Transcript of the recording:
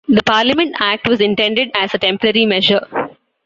The Parliament Act was intended as a temporary measure.